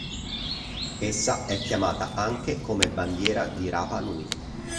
Essa è chiamata anche come bandiera di Rapa Nui.